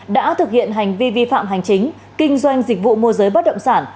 đã thực hiện hành vi vi phạm hành chính kinh doanh dịch vụ môi giới bất động sản